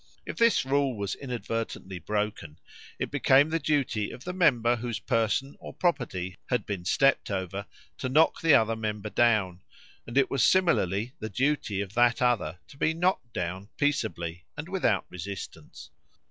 If this rule was inadvertently broken, it became the duty of the member whose person or property had been stepped over to knock the other member down, and it was similarly the duty of that other to be knocked down peaceably and without resistance.